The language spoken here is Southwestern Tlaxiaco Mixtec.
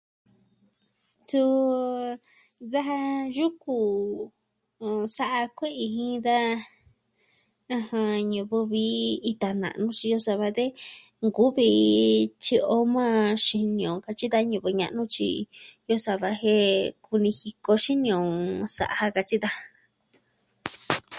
Tun... daja yuku sa'a kue'i jin da, ɨjɨn, ñivɨ vi ita na'nu xiin o sava de nkuvi... tyi'i o majan xini o katyi da ñivɨ ña'nu tyi, iyo saa va jen kumi jiko xini o sa'a katyi daja.